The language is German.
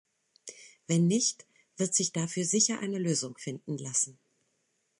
Wenn nicht, wird sich dafür sicher eine Lösung finden lassen.